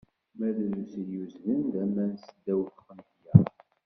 Ma drus i yuzzlen d aman seddaw teqneṭyar!